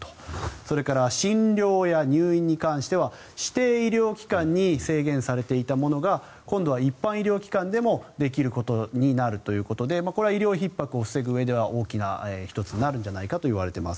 それから、診療や入院に関しては指定医療機関に制限されていたものが今度は一般医療機関でもできるようになるということでこれは医療ひっ迫を防ぐうえでは大きな１つとなるんじゃないかといわれています。